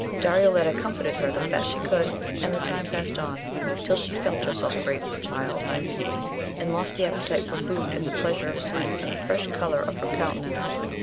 Darioleta comforted her the best she could, and the time past on, till she felt herself great with child, and lost the appetite for food and the plea sure of sleep, and the fresh colour of her countenance.